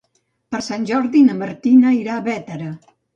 Per Sant Jordi na Martina irà a Bétera.